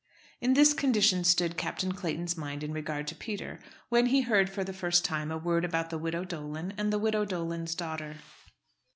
In this condition stood Captain Clayton's mind in regard to Peter, when he heard, for the first time, a word about the widow Dolan and the widow Dolan's daughter.